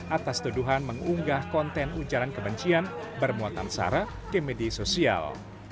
atas tuduhan mengunggah konten ujaran kebencian bermuatan sara ke media sosial